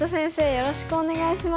よろしくお願いします。